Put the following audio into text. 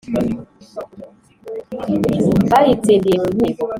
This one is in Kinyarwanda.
bayitsindiye mu nkiko